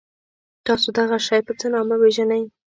تاسو دغه شی په څه نامه پيژنی؟